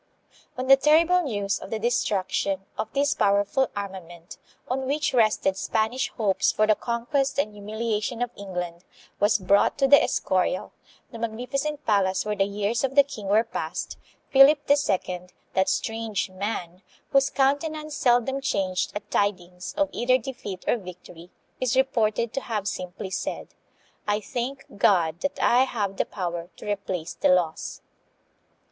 When the terrible news of the destruction of this power ful armament, on which rested Spanish hopes for the con quest and humiliation of England, was brought to the Escorial, the magnificent palace where the years of the king were passed, Philip II., that strange man, whose countenance seldom changed at tidings of either defeat or victory, is reported to have simply said, " I thank God that I have the power to replace the loss."